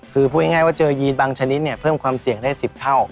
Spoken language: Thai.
คือพูดง่ายว่าเจอยีนบางชนิดเนี่ยเพิ่มความเสี่ยงได้๑๐เท่า